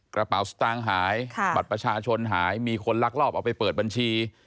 กระเป๋าสตางค์หายบัตรประชาชนหายมีคนลักลอบเอาไปเปิดบัญชี